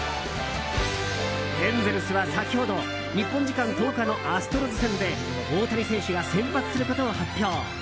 エンゼルスは先ほど日本時間１０日のアストロズ戦で大谷選手が先発することを発表。